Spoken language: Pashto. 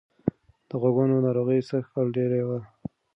د غواګانو ناروغي سږکال ډېره وه.